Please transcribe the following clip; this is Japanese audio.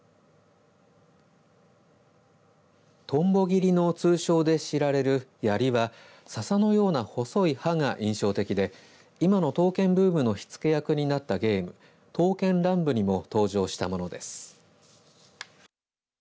蜻蛉切の通称で知られる、やりはささのような細い刃が印象的で今の刀剣ブームの火付け役になったゲーム刀剣乱舞にも登場したものです。